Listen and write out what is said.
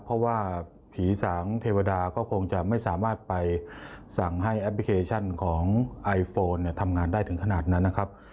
เพราะว่าผีสางเทวดาก็คงจะไม่สามารถไปสั่งให้แอปพลิเคชันของไอโฟนทำงานได้ถึงขนาดนั้นนะครับ